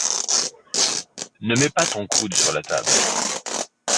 Ne mets pas ton coude sur la table.